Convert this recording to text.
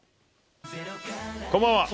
こんばんは。